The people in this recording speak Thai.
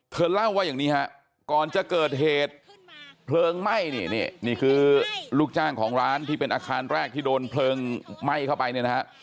เล่าว่าอย่างนี้ฮะก่อนจะเกิดเหตุเพลิงไหม้นี่นี่คือลูกจ้างของร้านที่เป็นอาคารแรกที่โดนเพลิงไหม้เข้าไปเนี่ยนะฮะ